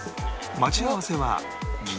待ち合わせは銀座